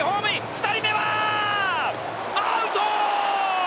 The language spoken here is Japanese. ２人目はアウト！